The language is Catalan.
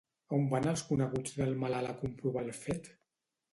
On van els coneguts del malalt a comprovar el fet?